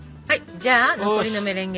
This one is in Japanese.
じゃあ残りのメレンゲ。